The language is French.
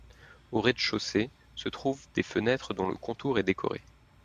Au rez-de-chaussée se trouvent des fenêtres dont le contour est décoré.